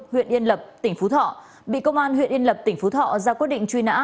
huyện yên lập tỉnh phú thọ bị công an huyện yên lập tỉnh phú thọ ra quyết định truy nã